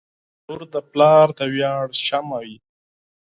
• لور د پلار د ویاړ شمعه وي.